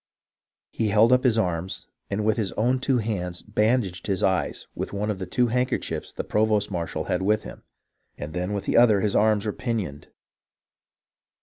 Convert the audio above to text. He held up his arms, and with his own hands bandaged his eyes with one of the two handkerchiefs the provost marshal had with him, and then with the other his arms were pin ioned.